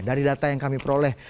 dari data yang kami peroleh